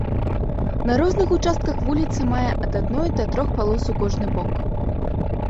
На розных участках вуліца мае ад адной да трох палос у кожны бок.